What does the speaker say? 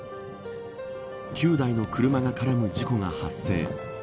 ９台の車が絡む事故が発生。